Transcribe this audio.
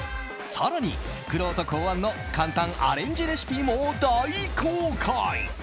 更に、くろうと考案の簡単アレンジレシピも大公開。